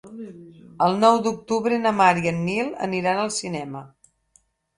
El nou d'octubre na Mar i en Nil aniran al cinema.